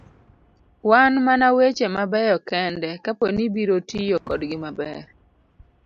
Wan mana weche mabeyo kende kaponi ibiro tiyo kodgi maber.